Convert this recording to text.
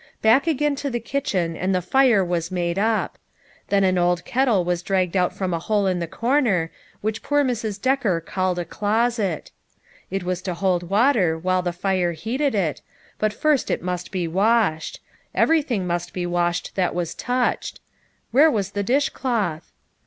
Back again to the kitchen and the fire was made up. Then an old kettle was dragged out from a hole in the corner, which poor Mrs. Decker called a closet. It was to hold water, while the fire healed it, but first it must be washed ; everything must be washed that was touched. Where was the dishcloth